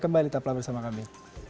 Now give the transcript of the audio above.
kembali tonton bersama kami